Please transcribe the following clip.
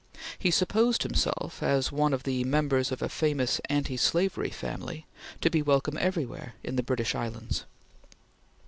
He supposed himself, as one of the members of a famous anti slavery family, to be welcome everywhere in the British Islands.